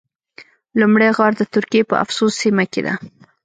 لومړی غار د ترکیې په افسوس سیمه کې ده.